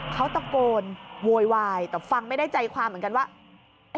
เขาตะโกนโวยวายแต่ฟังไม่ได้ใจความเหมือนกันว่า